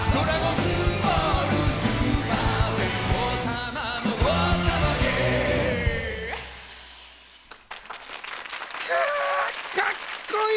くうかっこいい！